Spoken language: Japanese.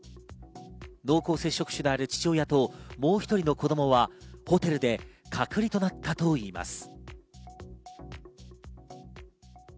濃厚接触者である父親ともう１人の子供はホテルで隔離となったといいます。